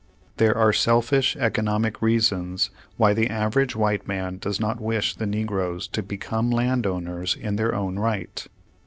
There are selfish economic reasons why the average white man does not wish the negroes to become land owners in their own right.